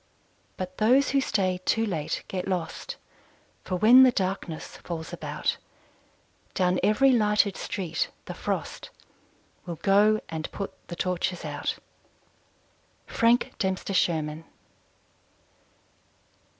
But those who stay too late get lost; For when the darkness falls about, Down every lighted street the frost Will go and put the torches out! _Frank Dempster Sherman.